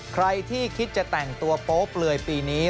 ใครที่คิดจะแต่งตัวโป๊เปลือยปีนี้